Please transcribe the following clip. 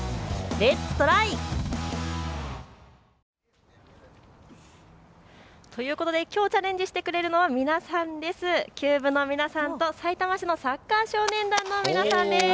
レッツトライ！ということで、きょうチャレンジしてくれる球舞の皆さんとさいたま市のサッカー少年団の皆さんです。